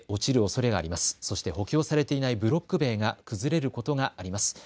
そして補強されていないブロック塀が崩れることがあります。